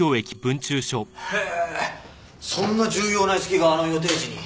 へぇそんな重要な遺跡があの予定地に。